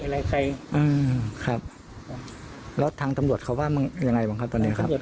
แล้วทางตำรวจเขาว่ามันยังไงบ้างครับตอนเนี้ยครับ